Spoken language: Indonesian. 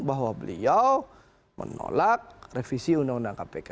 bahwa beliau menolak revisi undang undang kpk